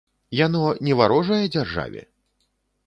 Яно не варожае дзяржаве?